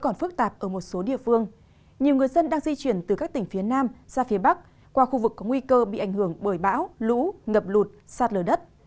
nhiều người dân đang di chuyển từ các tỉnh phía nam ra phía bắc qua khu vực có nguy cơ bị ảnh hưởng bởi bão lũ ngập lụt sát lờ đất